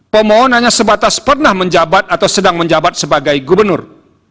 pemohonannya sebatas pernah menjabat atau sedang menjabat sebagai gubernur